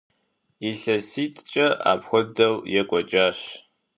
ИлъэситӀкӀэ апхуэдэу екӀуэкӀащ.